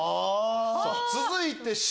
続いてＣ！